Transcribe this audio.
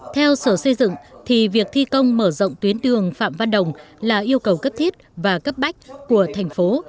theo sở xây dựng thì việc thi công mở rộng tuyến đường phạm văn đồng là yêu cầu cấp thiết và cấp bách của thành phố